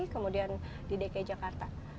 kemudian di dki jakarta